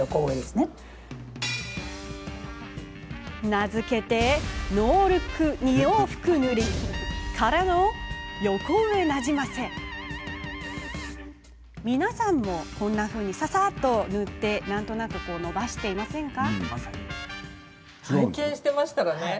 名付けて皆さんも、こんなふうにささっと塗って何となく伸ばしていませんか？